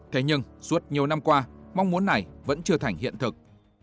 thế nhưng suốt nhiều năm qua mong muốn này vẫn chưa thành hiện thực